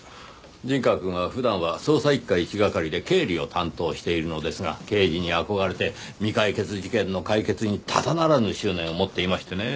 陣川くんは普段は捜査一課１係で経理を担当しているのですが刑事に憧れて未解決事件の解決にただならぬ執念を持っていましてねぇ。